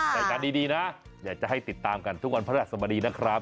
รายการดีนะอยากจะให้ติดตามกันทุกวันพระราชสมดีนะครับ